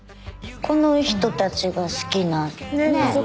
この人たちが好きなねえ？